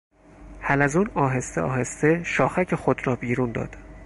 حلزون آهسته آهسته شاخک خود را بیرون داد.